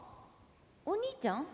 お兄ちゃん？